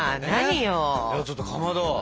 ちょっとかまど